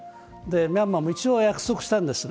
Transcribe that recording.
ミャンマーも一応約束したんです。